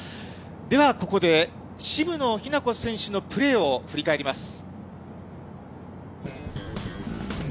ではここで、渋野日向子選手のプレーを振り返ります。